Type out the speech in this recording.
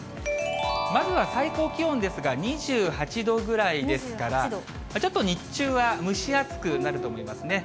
まずは最高気温ですが、２８度ぐらいですから、ちょっと日中は蒸し暑くなると思いますね。